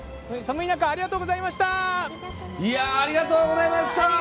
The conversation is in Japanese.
寒い中、ありがとうございました。